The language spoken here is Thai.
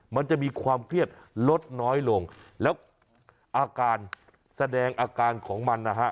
มันจะมีความเครียดลดน้อยลงแล้วอาการแสดงอาการของมันนะฮะ